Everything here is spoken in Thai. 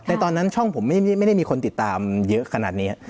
ตอนนั้นช่องผมไม่ได้มีคนติดตามเยอะขนาดนี้